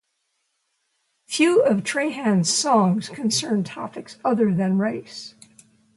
Few of Trahan's songs concern topics other than race.